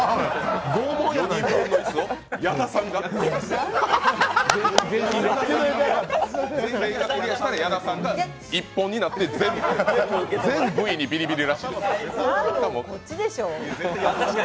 ４人分の椅子を矢田さんが？全員がクリアしたら矢田さんが１本になって全部の上でビリビリだそうです。